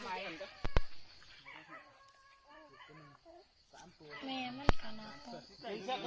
ขึ้นไปกันจริงแล้วมันต้องเปลี่ยน